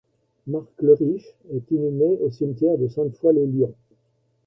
Marc Leriche est inhumé au cimetière de Sainte-Foy-lès-Lyon.